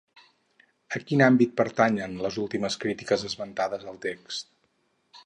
A quin àmbit pertanyen les últimes crítiques esmentades al text?